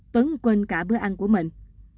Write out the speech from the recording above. tuấn quên cả bữa ăn của mình